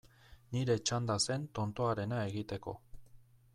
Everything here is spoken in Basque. Nire txanda zen tontoarena egiteko.